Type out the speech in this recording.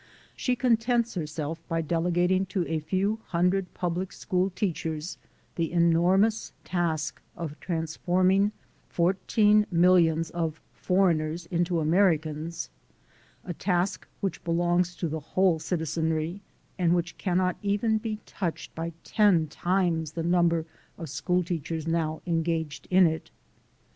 She contents herself by delegating to a few hundred public school teachers the enormous task of transforming fourteen millions of "for eigners" into Americans, a task which belongs to the whole citizenry and which cannot even be touched by ten times the number of school teachers now en gaged in it.